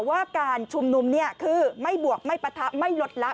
ว่าการชุมนุมเนี่ยคือไม่บวกไม่ปะทะไม่ลดละ